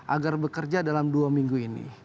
agar bekerja dalam dua minggu ini